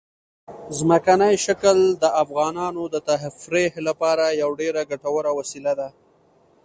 ځمکنی شکل د افغانانو د تفریح لپاره یوه ډېره ګټوره وسیله ده.